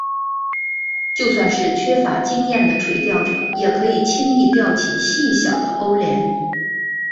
就算是缺乏经验的垂钓者也可以轻易钓起细小的欧鲢。